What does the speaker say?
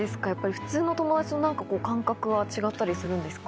普通の友達と感覚は違ったりするんですか？